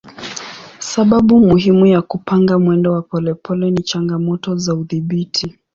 Sababu muhimu ya kupanga mwendo wa polepole ni changamoto za udhibiti.